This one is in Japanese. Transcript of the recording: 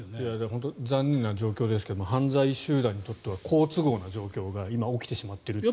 本当に残念な状況ですが犯罪集団にとっては好都合な状況が今起きてしまっていると。